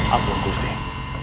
ampun bukit pramu